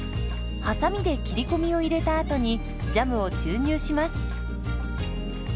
はさみで切り込みを入れたあとにジャムを注入します。